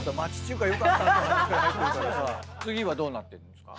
次はどうなってるんですか？